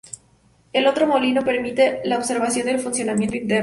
El otro molino permite la observación del funcionamiento interno.